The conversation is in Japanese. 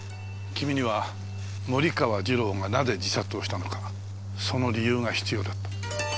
君には森川次郎がなぜ自殺をしたのかその理由が必要だった。